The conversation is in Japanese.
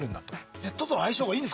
ネットとの相性がいいんですか？